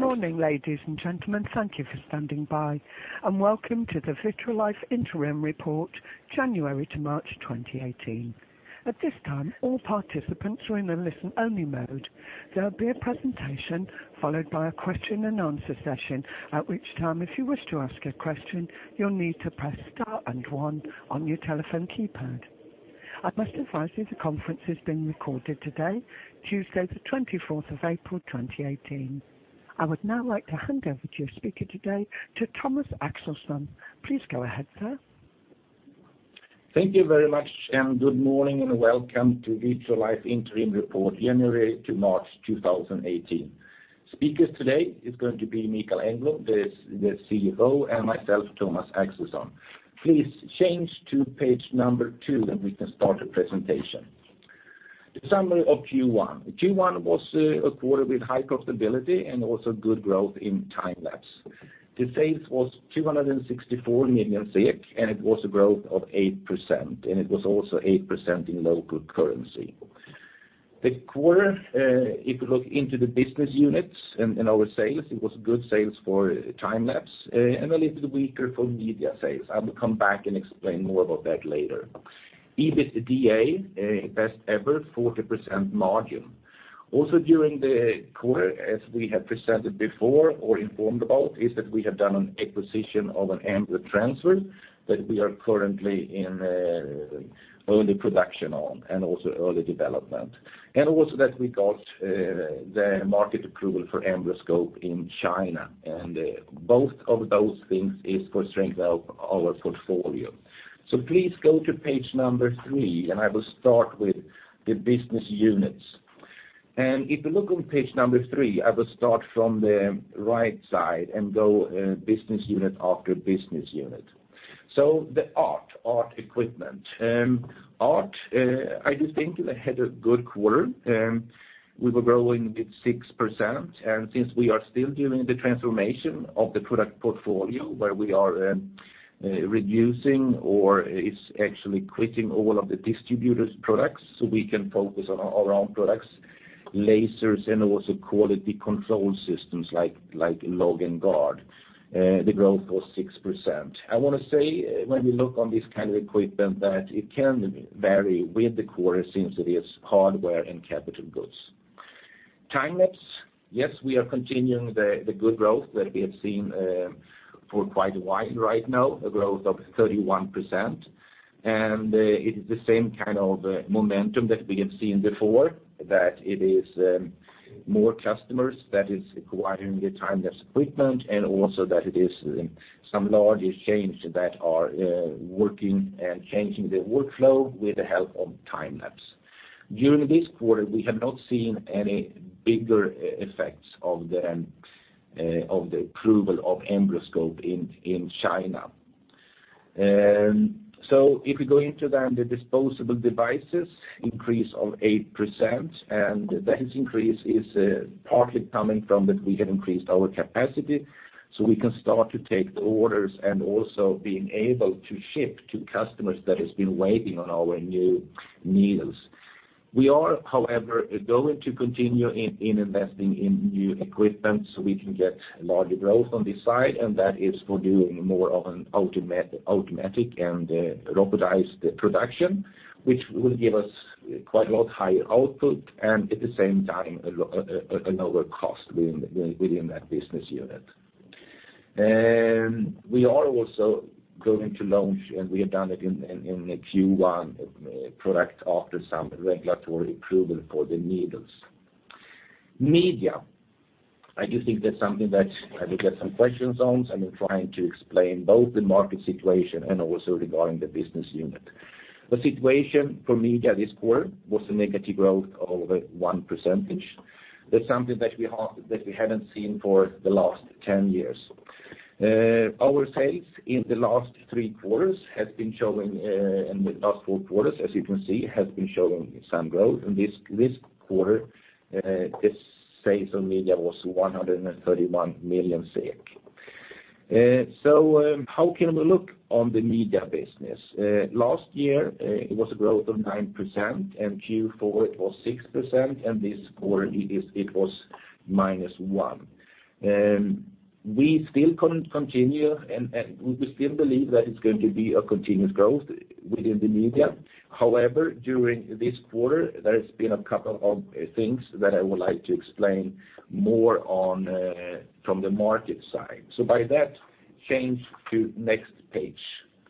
Good morning, ladies and gentlemen. Thank you for standing by, and welcome to the Vitrolife Interim Report, January to March 2018. At this time, all participants are in a listen-only mode. There will be a presentation, followed by a question-and-answer session, at which time, if you wish to ask a question, you'll need to press star and one on your telephone keypad. I must advise you, the conference is being recorded today, Tuesday, the 24th of April, 2018. I would now like to hand over to your speaker today, to Thomas Axelsson. Please go ahead, sir. Thank you very much. Good morning, and welcome to Vitrolife Interim Report, January to March 2018. Speakers today is going to be Mikael Engblom, the CFO, and myself, Thomas Axelsson. Please change to page two. We can start the presentation. The summary of Q1. Q1 was a quarter with high profitability and also good growth in Time-lapse. The sales was 264 million SEK. It was a growth of 8%, and it was also 8% in local currency. The quarter, if you look into the business units and our sales, it was good sales for Time-lapse. A little bit weaker for media sales. I will come back and explain more about that later. EBITDA, a best ever, 40% margin. During the quarter, as we have presented before or informed about, is that we have done an acquisition of an Embryo transfer, that we are currently in early production on and also early development. Also that we got the market approval for EmbryoScope in China, both of those things is for strengthen our portfolio. Please go to page three, I will start with the business units. If you look on page three, I will start from the right side and go business unit after business unit. The ART equipment. ART, I just think they had a good quarter, we were growing with 6%, since we are still doing the transformation of the product portfolio, where we are reducing, or actually quitting all of the distributors products, so we can focus on our own products, lasers, and also quality control systems like Log & Guard, the growth was 6%. I want to say, when we look on this kind of equipment, that it can vary with the quarter since it is hardware and capital goods. Time-lapse, yes, we are continuing the good growth that we have seen for quite a while right now, a growth of 31%. It is the same kind of momentum that we have seen before, that it is more customers that is acquiring the Time-lapse equipment, and also that it is some larger clinic chains that are working and changing the workflow with the help of Time-lapse. During this quarter, we have not seen any bigger effects of the approval of EmbryoScope in China. If we go into then the disposable devices, increase of 8%, and that increase is partly coming from that we have increased our capacity, so we can start to take the orders and also being able to ship to customers that has been waiting on our new needles. We are, however, going to continue in investing in new equipment, so we can get larger growth on this side, and that is for doing more of an automatic and robotized production, which will give us quite a lot higher output and at the same time, a lower cost within that business unit. We are also going to launch, and we have done it in Q1, product after some regulatory approval for the needles. Media. I do think that's something that I will get some questions on, and I'm trying to explain both the market situation and also regarding the business unit. The situation for media this quarter was a negative growth of 1%. That's something that we haven't seen for the last 10 years. Our sales in the last three quarters has been showing, in the last four quarters, as you can see, has been showing some growth, this quarter, the sales on media was 131 million. How can we look on the media business? Last year, it was a growth of 9%, Q4 it was 6%, and this quarter it was -1%. We still continue, and we still believe that it's going to be a continuous growth within the media. However, during this quarter, there has been a couple of things that I would like to explain more on from the market side. By that, change to next page,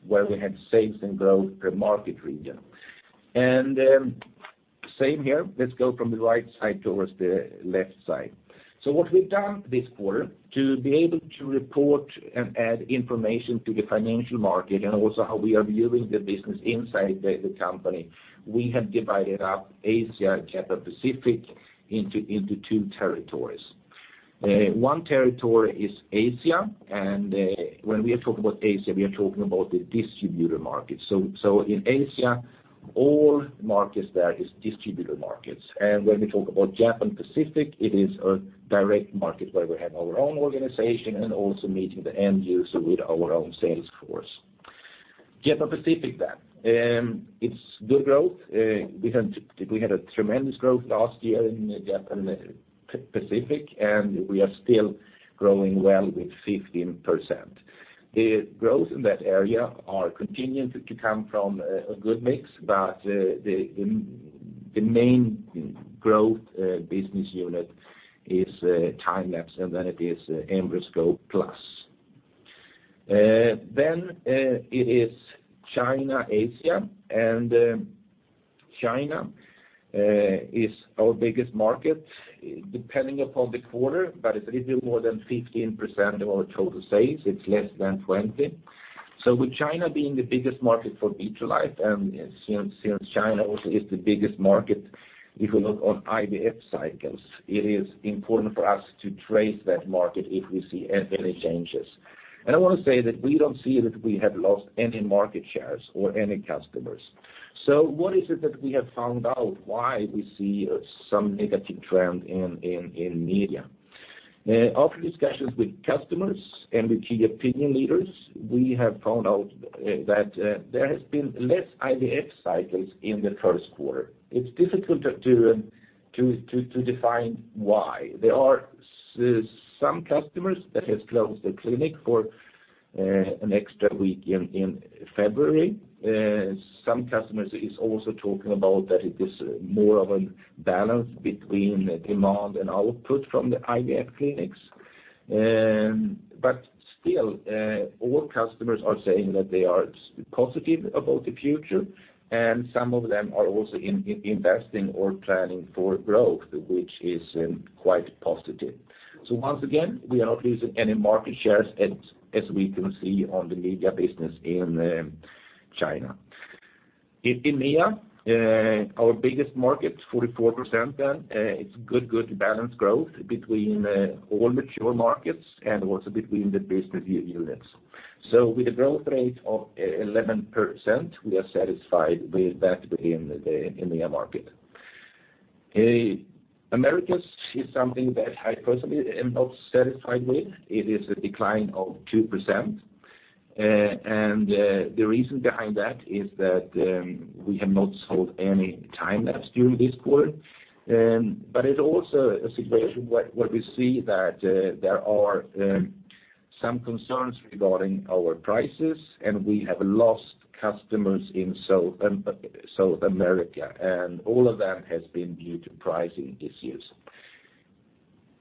where we have sales and growth per market region. Same here, let's go from the right side towards the left side. What we've done this quarter to be able to report and add information to the financial market, and also how we are viewing the business inside the company, we have divided up Asia and Pacific into two territories. One territory is Asia, and when we are talking about Asia, we are talking about the distributor market. In Asia, all markets there is distributor markets, and when we talk about Japan Pacific, it is a direct market where we have our own organization and also meeting the end user with our own sales force. Japan Pacific then, it's good growth. We had a tremendous growth last year in Japan, Pacific, and we are still growing well with 15%. The growth in that area are continuing to come from a good mix, but the main growth business unit is Time-lapse, and then it is EmbryoScope+. It is China, Asia, and China is our biggest market, depending upon the quarter, but it's a little more than 15% of our total sales, it's less than 20%. With China being the biggest market for Vitrolife, and since China also is the biggest market, if you look on IVF cycles, it is important for us to trace that market if we see any changes. I want to say that we don't see that we have lost any market shares or any customers. What is it that we have found out why we see some negative trend in media? After discussions with customers and with key opinion leaders, we have found out that there has been less IVF cycles in the first quarter. It's difficult to define why. There are some customers that has closed the clinic for an extra week in February. Some customers is also talking about that it is more of a balance between demand and output from the IVF clinics. Still, all customers are saying that they are positive about the future, and some of them are also investing or planning for growth, which is quite positive. Once again, we are not losing any market shares as we can see on the media business in China. In EMEA, our biggest market, 44%, it's good balanced growth between all mature markets and also between the business units. With a growth rate of 11%, we are satisfied with that in the EMEA market. Americas is something that I personally am not satisfied with. It is a decline of 2%. The reason behind that is that we have not sold any Time-lapse during this quarter. It's also a situation where we see that there are some concerns regarding our prices, and we have lost customers in South America, and all of that has been due to pricing issues.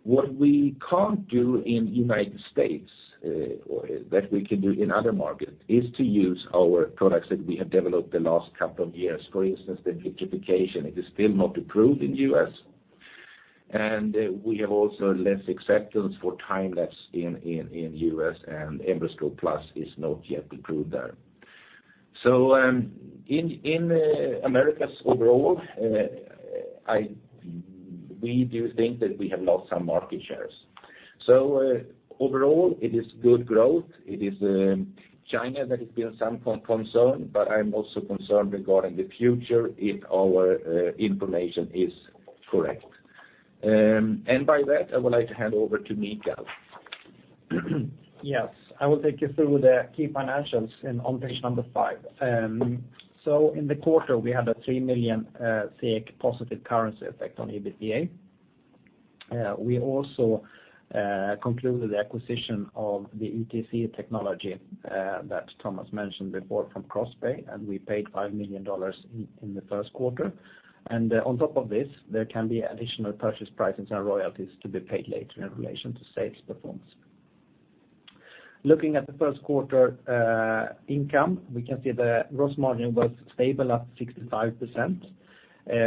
What we can't do in United States, that we can do in other markets, is to use our products that we have developed the last couple of years. For instance, the vitrification, it is still not approved in U.S. We have also less acceptance for Time-lapse in the U.S., and EmbryoScope+ is not yet approved there. In Americas overall, we do think that we have lost some market shares. Overall, it is good growth. It is China that has been some concern, but I'm also concerned regarding the future if our information is correct. By that, I would like to hand over to Mikael. Yes, I will take you through the key financials and on page five. In the quarter, we had a 3 million positive currency effect on EBITDA. We also concluded the acquisition of the Embryo transfer catheter technology that Thomas Axelsson mentioned before from CrossBay Medical Inc, and we paid $5 million in the first quarter. On top of this, there can be additional purchase prices and royalties to be paid later in relation to sales performance. Looking at the first quarter income, we can see the gross margin was stable at 65%.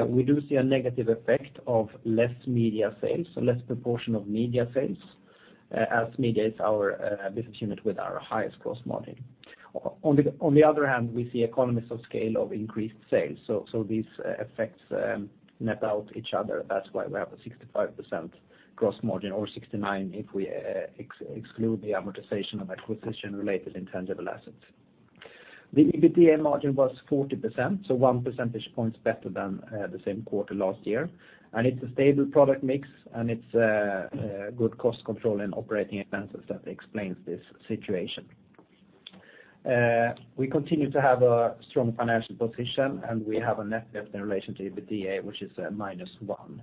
We do see a negative effect of less media sales, so less proportion of media sales, as media is our business unit with our highest gross margin. On the other hand, we see economies of scale of increased sales, so these effects net out each other. That's why we have a 65% gross margin, or 69%, if we exclude the amortization of acquisition-related intangible assets. The EBITDA margin was 40%, so 1 percentage point better than the same quarter last year. It's a stable product mix, and it's a good cost control and operating expenses that explains this situation. We continue to have a strong financial position, and we have a net debt in relation to EBITDA, which is -1%.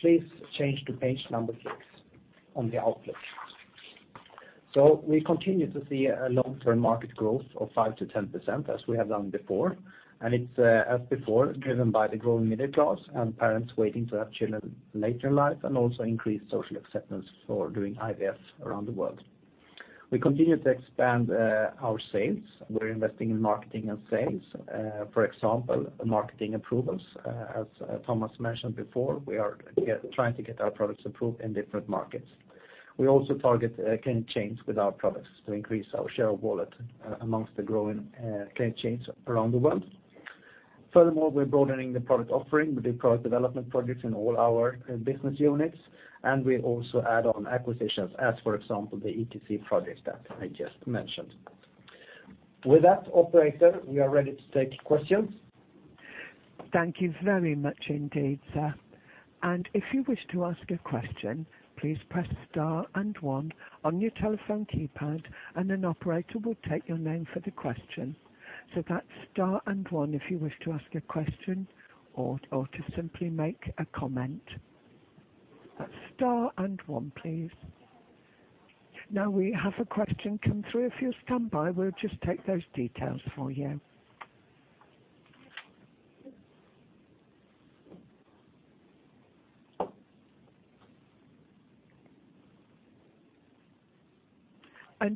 Please change to page 6 on the outlook. We continue to see a long-term market growth of 5%-10%, as we have done before, and it's, as before, driven by the growing middle class and parents waiting to have children later in life, and also increased social acceptance for doing IVF around the world. We continue to expand our sales. We're investing in marketing and sales, for example, marketing approvals. As Thomas mentioned before, we are trying to get our products approved in different markets. We also target clinic chains with our products to increase our share of wallet amongst the growing clinic chains around the world. Furthermore, we're broadening the product offering with the product development projects in all our business units, and we also add on acquisitions, as, for example, the ETC project that I just mentioned. With that, operator, we are ready to take questions. Thank you very much indeed, sir. If you wish to ask a question, please press star and one on your telephone keypad, and an operator will take your name for the question. That's star and one if you wish to ask a question or to simply make a comment. That's star and one, please. We have a question come through. If you stand by, we'll just take those details for you.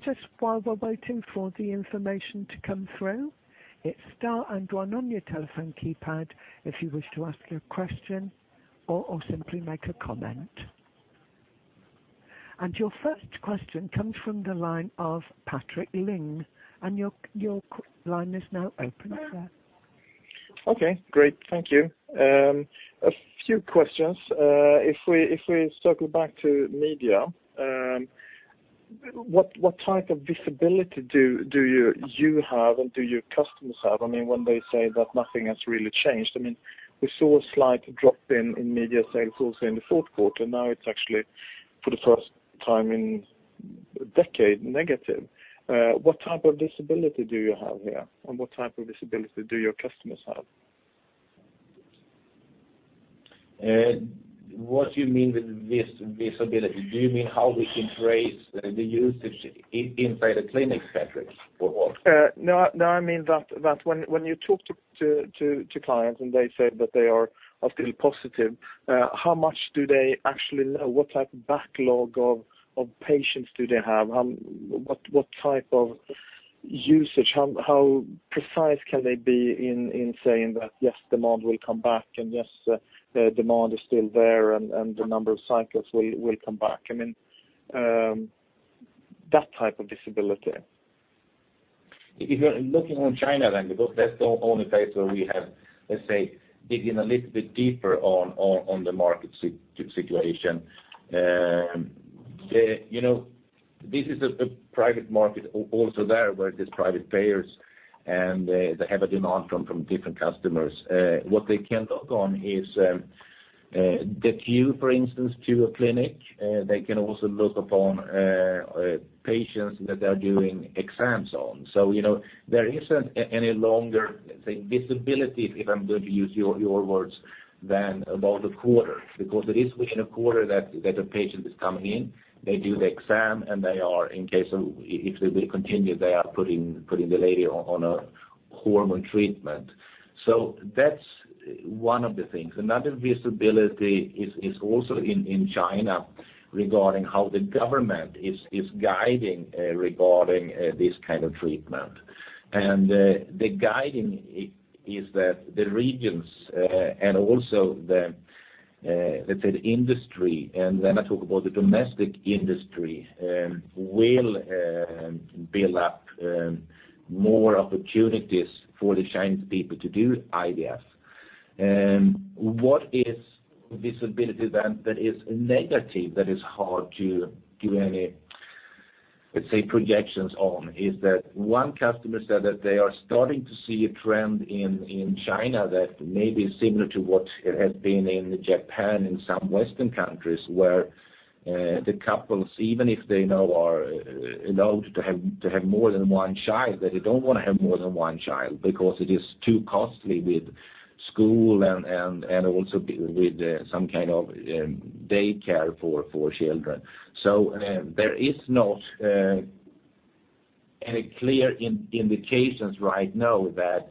Just while we're waiting for the information to come through, it's star and one on your telephone keypad if you wish to ask a question or simply make a comment. Your first question comes from the line of Patrik Ling, and your line is now open, sir. Okay, great. Thank you. A few questions. If we circle back to media, what type of visibility do you have and do your customers have? I mean, when they say that nothing has really changed, I mean, we saw a slight drop in media sales also in the fourth quarter. Now it's actually, for the first time in a decade, negative. What type of visibility do you have here, and what type of visibility do your customers have? What do you mean with visibility? Do you mean how we can raise the usage inside a clinic, Patrik, or what? No, I mean that when you talk to clients, and they say that they are still positive, how much do they actually know? What type of backlog of patients do they have? What type of usage, how precise can they be in saying that, yes, demand will come back, and, yes, the demand is still there and the number of cycles will come back? I mean, that type of visibility. If you're looking on China, then because that's the only place where we have, let's say, dig in a little bit deeper on the market situation. You know, this is a private market also there, where it is private payers, and they have a demand from different customers. What they can look on is the queue, for instance, to a clinic. They can also look upon patients that they're doing exams on. You know, there isn't any longer, let's say, visibility, if I'm going to use your words, than about a quarter, because it is within a quarter that a patient is coming in, they do the exam, and they are in case of if they will continue, they are putting the lady on a hormone treatment. That's one of the things. Another visibility is also in China, regarding how the government is guiding regarding this kind of treatment. The guiding is that the regions, and also the, let's say, the industry, and when I talk about the domestic industry, will build up more opportunities for the Chinese people to do IVF. What is visibility then that is negative, that is hard to give any, let's say, projections on, is that one customer said that they are starting to see a trend in China that may be similar to what it has been in Japan and some Western countries, where the couples, even if they now are allowed to have more than one child, that they don't wanna have more than one child, because it is too costly with school and also with some kind of daycare for children. There is not any clear indications right now that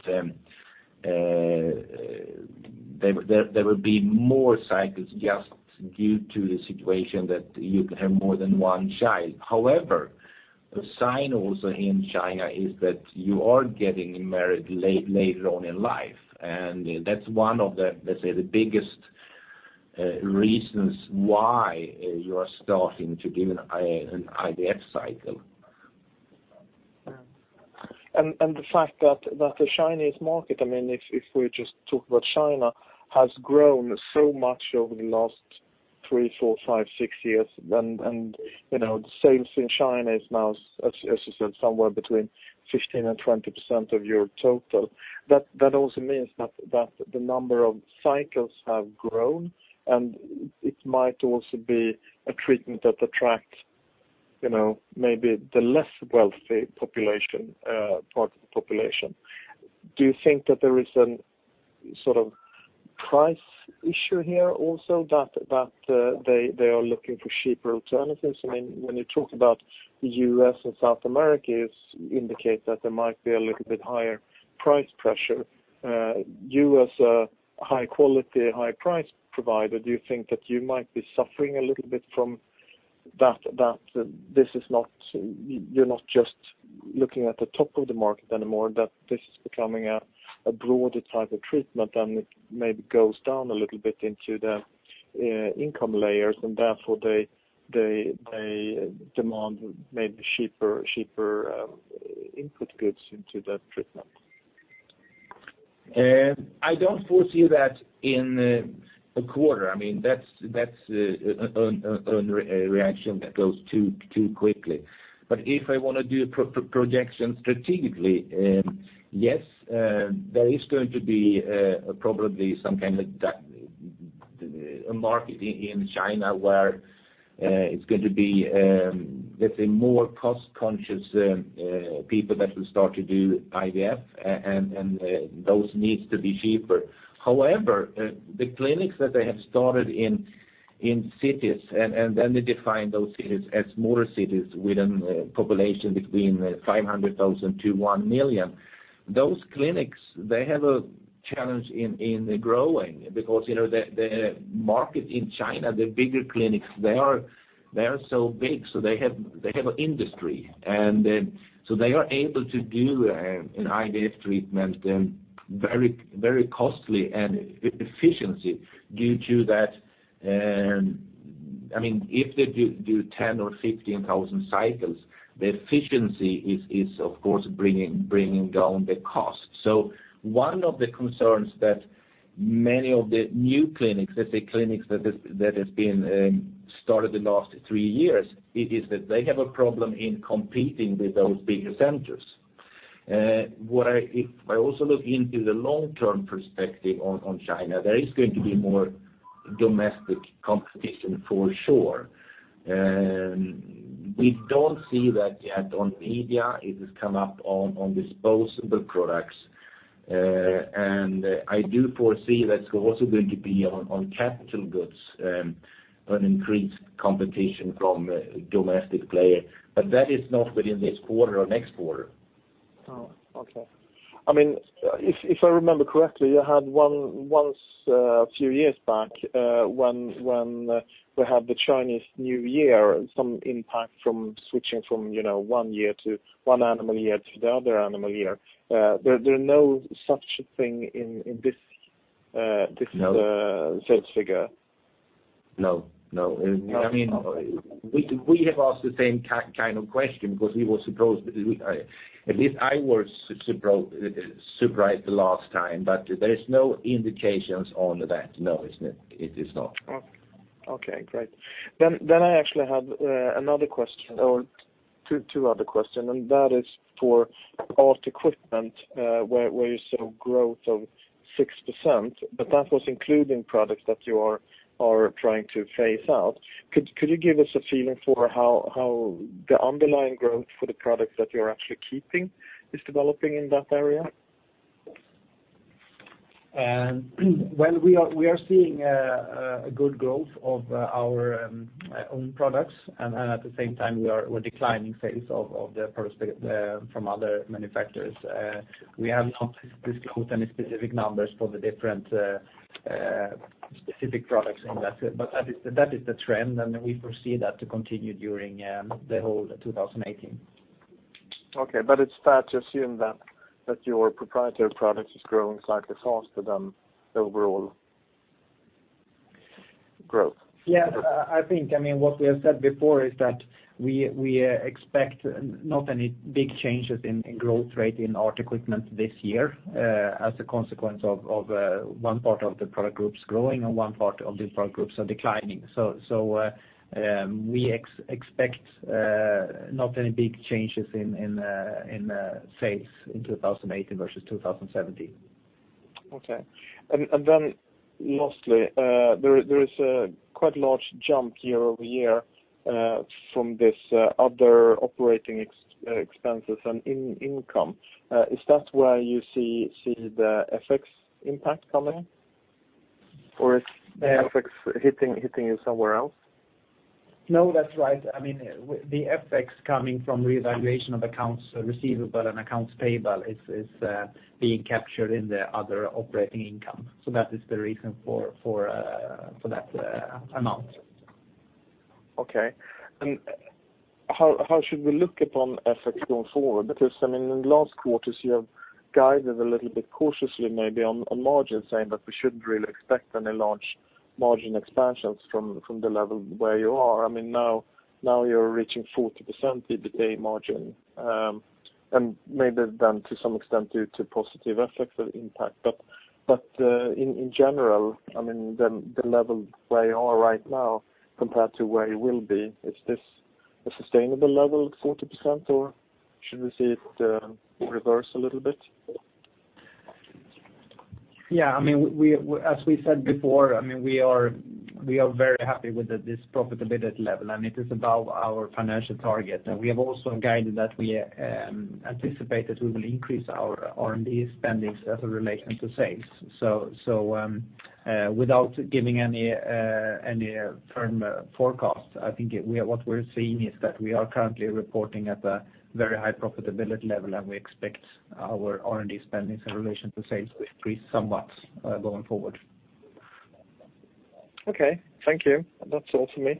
there will be more cycles just due to the situation that you can have more than one child. However, a sign also in China is that you are getting married later on in life, and that's one of the, let's say, the biggest reasons why you are starting to give an IVF cycle. The fact that the Chinese market, I mean, if we just talk about China, has grown so much over the last three, four, five, six years, and, you know, sales in China is now, as you said, somewhere between 15% and 20% of your total. That also means that the number of cycles have grown, and it might also be a treatment that attract, you know, maybe the less wealthy population, part of the population. Do you think that there is an sort of price issue here also, that they are looking for cheaper alternatives? I mean, when you talk about the U.S. and South America, it's indicate that there might be a little bit higher price pressure. You as a high quality, high price provider, do you think that you might be suffering a little bit from that, You're not just looking at the top of the market anymore, that this is becoming a broader type of treatment, and it maybe goes down a little bit into the income layers, and therefore they demand maybe cheaper input goods into that treatment? I don't foresee that in a quarter. I mean, that's a reaction that goes too quickly. If I wanna do projections strategically, yes, there is going to be probably some kind of a market in China where it's going to be, let's say, more cost conscious people that will start to do IVF, and those needs to be cheaper. However, the clinics that they have started in cities, and then they define those cities as smaller cities within the population between 500,000 to 1 million. Those clinics, they have a challenge in growing, because, you know, the market in China, the bigger clinics, they are so big, so they have an industry. They are able to do an IVF treatment, very, very costly and efficiency due to that. I mean, if they do 10,000 or 15,000 cycles, the efficiency is of course bringing down the cost. One of the concerns that many of the new clinics, let's say, clinics that has been started the last three years, it is that they have a problem in competing with those bigger centers. If I also look into the long-term perspective on China, there is going to be more domestic competition for sure. We don't see that yet on media. It has come up on disposable products, and I do foresee that's also going to be on capital goods, an increased competition from a domestic player, but that is not within this quarter or next quarter. Oh, okay. I mean, if I remember correctly, you had once, a few years back, when we had the Chinese New Year, some impact from switching from, you know, one year to one animal year to the other animal year. There are no such thing in this. No. sales figure? No, no. I mean, we have asked the same kind of question, because we were supposed, at least I was surprised the last time, but there is no indications on that. No, it's not, it is not. Okay, great. I actually have another question or two other questions, and that is for ART equipment, where you saw growth of 6%, but that was including products that you are trying to phase out. Could you give us a feeling for how the underlying growth for the products that you're actually keeping is developing in that area? Well, we are seeing a good growth of our own products, at the same time, we're declining sales of the perspe- from other manufacturers. We have not disclosed any specific numbers for the different specific products in that, but that is the trend. We foresee that to continue during the whole 2018. Okay, it's fair to assume that your proprietary products is growing slightly faster than the overall growth? I think, I mean, what we have said before is that we expect not any big changes in growth rate in ART equipment this year, as a consequence of one part of the product groups growing and one part of the product groups are declining. We expect not any big changes in sales in 2018 versus 2017. Okay. Then lastly, there is a quite large jump year-over-year, from this, other operating expenses and income. Is that where you see the FX impact coming? Or is the FX hitting you somewhere else? No, that's right. I mean, the FX coming from revaluation of accounts receivable and accounts payable is being captured in the other operating income. That is the reason for that amount. Okay. How should we look upon FX going forward? Because, I mean, in the last quarters, you have guided a little bit cautiously, maybe on margin, saying that we shouldn't really expect any large margin expansions from the level where you are. I mean, now you're reaching 40% EBITDA margin, and maybe then to some extent, due to positive effects of impact. But, in general, I mean, the level where you are right now compared to where you will be, is this a sustainable level, 40%, or should we see it reverse a little bit? Yeah, I mean, we, as we said before, I mean, we are very happy with this profitability level. It is above our financial target. We have also guided that we anticipate that we will increase our R&D spendings as a relation to sales. Without giving any firm forecast, I think what we're seeing is that we are currently reporting at a very high profitability level, and we expect our R&D spendings in relation to sales to increase somewhat going forward. Okay. Thank you. That's all for me.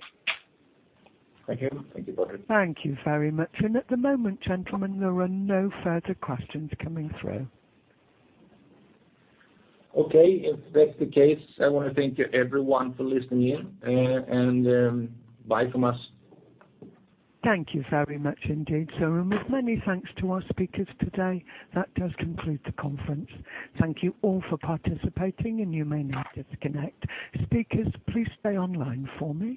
Thank you. Thank you, Patrik. Thank you very much. At the moment, gentlemen, there are no further questions coming through. Okay, if that's the case, I want to thank you everyone for listening in, and, bye from us. Thank you very much indeed, sir. With many thanks to our speakers today, that does conclude the conference. Thank you all for participating, and you may now disconnect. Speakers, please stay online for me.